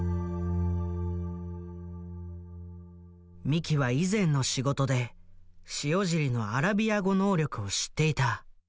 三木は以前の仕事で塩尻のアラビア語能力を知っていた。